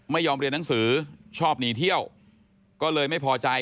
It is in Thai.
ไม่ยอมเรียนหนังสือชอบหนีเที่ยวก็เลยไม่พอใจ